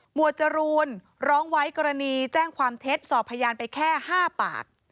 วดจรูนร้องไว้กรณีแจ้งความเท็จสอบพยานไปแค่๕ปาก